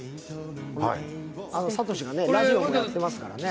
慧がラジオやってますからね。